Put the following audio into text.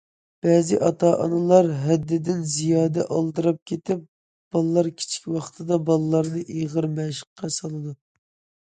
بەزى ئاتا- ئانىلار ھەددىدىن زىيادە ئالدىراپ كېتىپ، بالىلار كىچىك ۋاقتىدا بالىلارنى ئېغىر مەشىققە سالىدۇ.